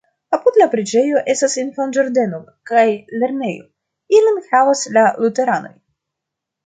Apud la preĝejo estas infanĝardeno kaj lernejo, ilin havas la luteranoj.